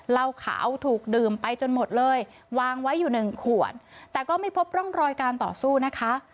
เหล้าขาวถูกดื่มไปจนหมดเลยวางไว้อยู่หนึ่งขวดแต่ก็ไม่พบร่องรอยการต่อสู้นะคะ